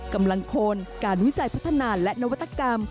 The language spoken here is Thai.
กำลังโคนการวิจัยพัฒนาและนวัตกรรม